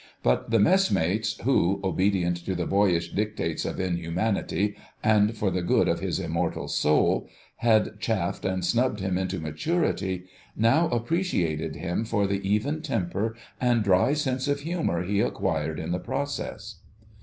But the mess mates who (obedient to the boyish dictates of inhumanity, and for the good of his immortal soul) had chaffed and snubbed him into maturity, now appreciated him for the even temper and dry sense of humour he acquired in the process.